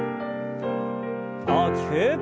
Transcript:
大きく。